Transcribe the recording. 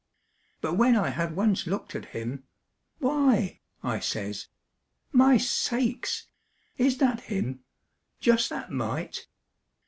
But when I had once looked at him, "Why!" I says, "My sakes, is that him? Just that mite!"